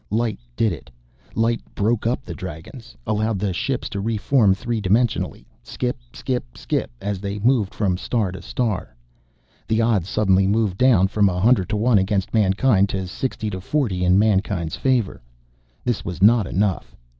Light did it. Light broke up the Dragons, allowed the ships to reform three dimensionally, skip, skip, skip, as they moved from star to star. The odds suddenly moved down from a hundred to one against mankind to sixty to forty in mankind's favor. This was not enough.